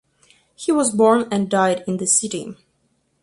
He was born and died in the city.